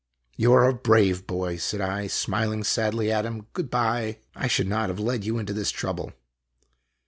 " You are a brave boy," said I, smiling sadly at him. " Good by ! I should not have led you into this trouble."